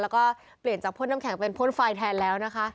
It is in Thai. แล้วก็เปลี่ยนจากพ่นน้ำแข็งเป็นพ่นไฟแทนแล้วนะคะ